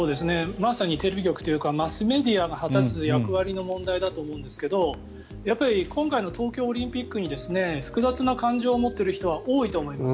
まさにテレビ局というかマスメディアの果たす役割の問題だと思うんですが今回の東京オリンピックに複雑な感情を持っている人は多いと思います。